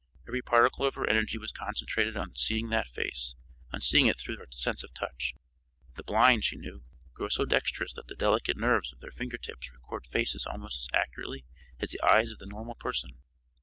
Every particle of her energy was concentrated on seeing that face on seeing it through her sense of touch. The blind, she knew, grow so dextrous that the delicate nerves of their finger tips record faces almost as accurately as the eyes of the normal person.